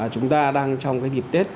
chúng ta đang trong cái dịp tết